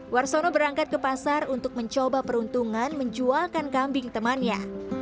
warsono berangkat ke pasar untuk mencoba peruntungan menjualkan kambing temannya